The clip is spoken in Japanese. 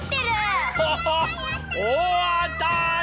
おおあたり！